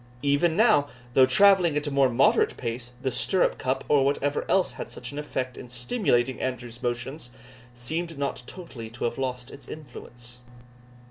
Even now, though travelling at a more moderate pace, the stirrup cup, or whatever else had such an effect in stimulating Andrew's motions, seemed not totally to have lost its influence.